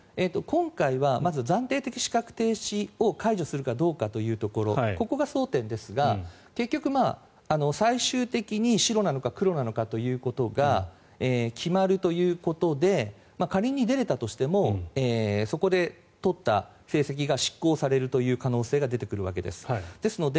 今回はまず暫定的資格停止を解除するかどうかというところここが争点ですが結局、最終的に白なのか黒なのかということが決まるということで仮に出れたとしてもそこで取った成績が失効されるという可能性が出てくるわけです。